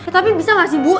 tapi bisa nggak sih bu